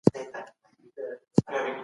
د ښــكلا پـــر پـاڼــه